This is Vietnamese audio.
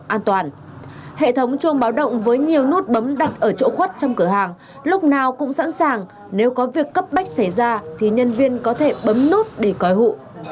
hệ thống chống trộm báo động với nhiều nút bấm đặt ở chỗ khuất trong cửa hàng lúc nào cũng sẵn sàng nếu có việc cấp bách xảy ra thì nhân viên có thể bấm nút để coi hụ